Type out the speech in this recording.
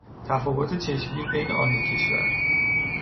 تفاوت چشمگیر بین آن دو کشور